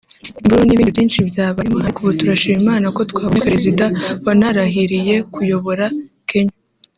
imvururu n’ibindi byinshi byabayemo ariko ubu turashima Imana ko twabonye perezida wanarahiriye kuyobora Kenya